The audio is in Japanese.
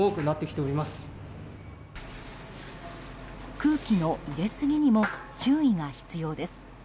空気の入れすぎにも注意が必要です。